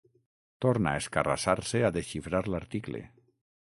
Torna a escarrassar-se a desxifrar l'article.